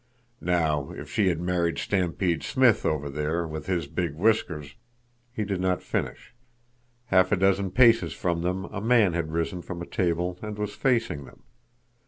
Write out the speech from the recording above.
Now, if she had married Stampede Smith over there, with his big whiskers—" He did not finish. Half a dozen paces from them a man had risen from a table and was facing them.